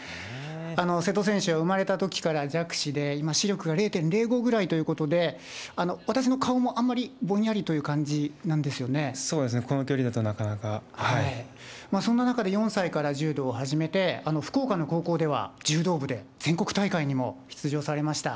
瀬戸選手は生まれたときから弱視で、今視力が０．０５ぐらいということで、私の顔もあまりぼんやそうですね、この距離だとなそんな中で４歳から柔道を始めて、福岡の高校では柔道部で、全国大会にも出場されました。